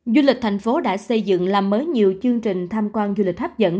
du lịch thành phố đã xây dựng làm mới nhiều chương trình tham quan du lịch hấp dẫn